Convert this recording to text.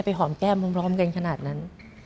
หอมแก้มพร้อมกันขนาดนั้น